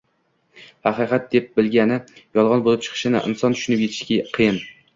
haqiqat deb bilgani yolg‘on bo‘lib chiqishini inson tushunib yetishi qiyin